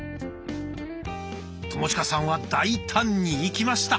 友近さんは大胆にいきました。